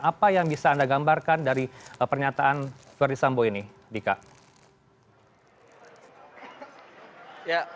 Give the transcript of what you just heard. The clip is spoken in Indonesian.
apa yang bisa anda gambarkan dari pernyataan verdi sambo ini dika